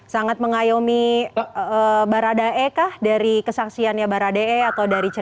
sangat mengayomi baradae kah dari kesaksiannya baradae